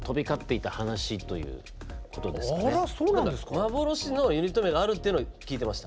幻のユニット名があるっていうのは聞いてました。